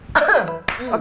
udah semuanya udah dong